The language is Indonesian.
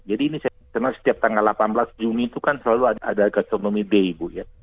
jadi ini saya pikir karena setiap tanggal delapan belas juni itu kan selalu ada gastronomi day bu ya